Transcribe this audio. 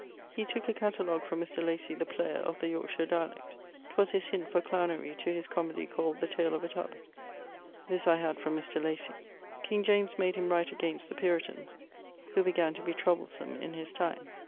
He tooke a catalogue from Mr. Lacy (the player) of the Yorkshire dialect. 'Twas his hint for clownery to his comoedy called The Tale of a Tub. This I had from Mr. Lacy. King James made him write against the Puritans, who began to be troublesome in his time.